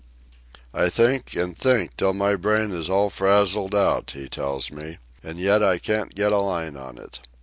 "I think, and think, till my brain is all frazzled out," he tells me; "and yet I can't get a line on it.